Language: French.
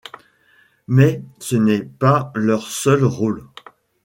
Mais ce n'est pas leur seul rôle.